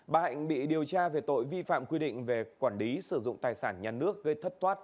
bà hạnh bị điều tra về tội vi phạm quy định về quản lý sử dụng tài sản nhà nước gây thất thoát